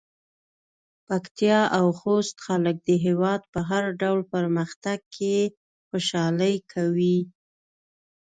پکتيا او خوست خلک د هېواد په هر ډول پرمختګ کې خوشحالي کوي.